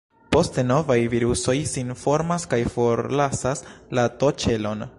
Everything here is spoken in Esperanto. Poste novaj virusoj sin formas kaj forlasas la T-ĉelon.